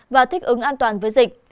và thích ứng an toàn với dịch